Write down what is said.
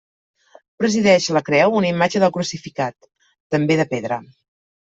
Presideix la creu una imatge del crucificat, també de pedra.